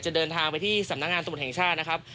เดินทางไปที่สำนักงานตำรวจแห่งชาตินะครับ